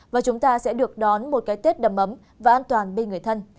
và chúng ta sẽ được đón một cái tết đầm ấm và an toàn bên người thân